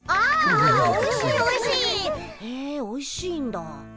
へえおいしいんだ。